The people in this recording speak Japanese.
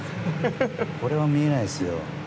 これは見えないですよ。